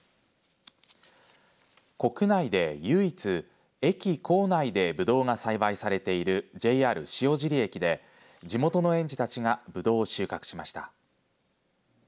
国内で唯一駅構内でブドウが栽培されているＪＲ塩尻駅で地元の園児たちがブドウを収穫しました。